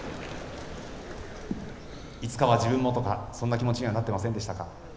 いつかは自分もとかそんな気持ちにはなっていませんでしたか？